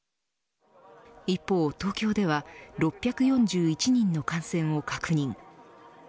一方、東京では６４１人の感染を確認。